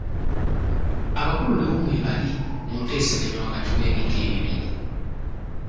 Abakulu nabo mwebali mu nteeseganya wakati w'ebika ebibiri.